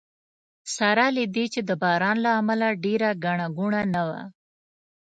سره له دې چې د باران له امله ډېره ګڼه ګوڼه نه وه.